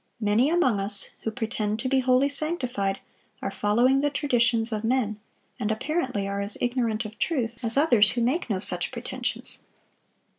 Many among us, who pretend to be wholly sanctified, are following the traditions of men, and apparently are as ignorant of truth as others who make no such pretensions."